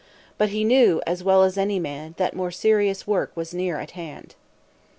But he knew as well as any man that more serious work was near at hand.